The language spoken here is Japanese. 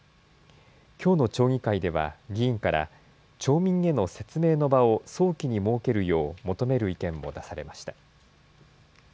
きょうの町議会では議員から町民への説明の場を早期に設けるよう求める意見も出されました。